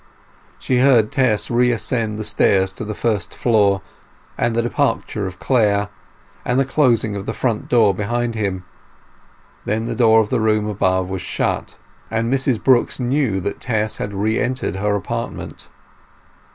She heard Tess re ascend the stairs to the first floor, and the departure of Clare, and the closing of the front door behind him. Then the door of the room above was shut, and Mrs Brooks knew that Tess had re entered her apartment.